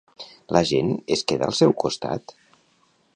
La gent es queda al seu costat?